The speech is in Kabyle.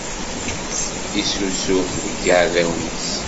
Isusuf deg yiɛdawen-is.